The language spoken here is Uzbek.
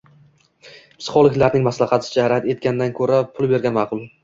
Psixologlarning maslahaticha, rad etgandan ko'ra pul bergan ma'qul.